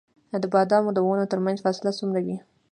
د بادامو د ونو ترمنځ فاصله څومره وي؟